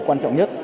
quan trọng nhất